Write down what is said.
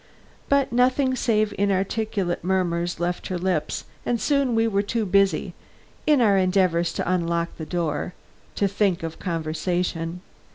But nothing save inarticulate murmurs left her lips and soon we were too busy, in our endeavors to unlock the door, to think of conversation.